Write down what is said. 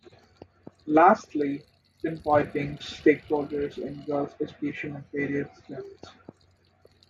Lastly, pinpointing stakeholders in girls' education at various levels.